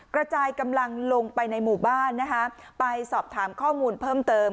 กระจายกำลังลงไปในหมู่บ้านนะคะไปสอบถามข้อมูลเพิ่มเติม